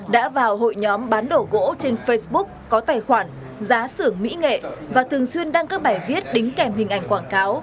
đã vào hội nhóm bán đổ gỗ trên facebook có tài khoản giá xưởng mỹ nghệ và thường xuyên đăng các bài viết đính kèm hình ảnh quảng cáo